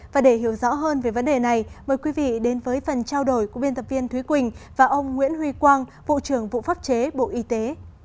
và để hiểu rõ hơn về vấn đề này mời quý vị đến với phần trao đổi của biên tập viên thúy quỳnh và ông nguyễn huy quang vụ trưởng vụ pháp chế bộ y tế